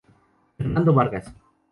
Fernando Vargas.